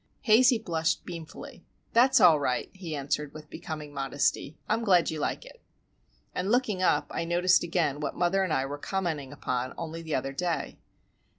Hazey blushed beamfully. "That's all right," he answered with becoming modesty. "I'm glad you like it." And, looking up, I noticed again what mother and I were commenting upon only the other day.